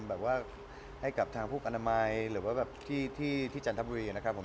แบบว่าให้กับทางผู้อนามัยหรือว่าแบบที่จันทบุรีนะครับผม